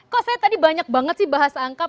kok saya tadi banyak banget sih bahasa angka